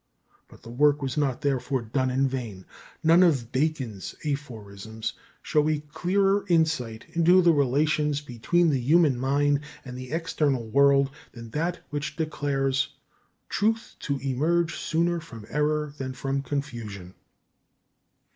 But the work was not therefore done in vain. None of Bacon's aphorisms show a clearer insight into the relations between the human mind and the external world than that which declares "Truth to emerge sooner from error than from confusion."